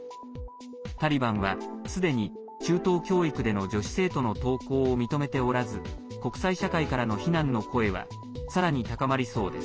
タリバンは、すでに中等教育での女子生徒の登校を認めておらず国際社会からの非難の声はさらに高まりそうです。